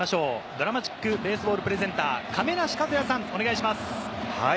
ＤＲＡＭＡＴＩＣＢＡＳＥＢＡＬＬプレゼンター・亀梨和也さん、お願いします。